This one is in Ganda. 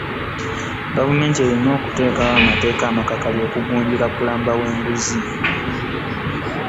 gavumenti erin's okuteekawo amateeka amakakali okugunjula plumber lw'enguzi.